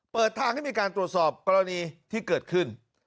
เปิดทางให้มีการตรวจสอบกรณีที่เกิดขึ้น